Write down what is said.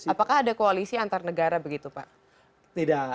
apakah ada koalisi antar negara begitu pak